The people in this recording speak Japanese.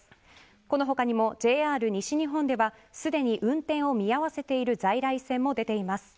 この他にも、ＪＲ西日本ではすでに運転を見合わせている在来線も出ています。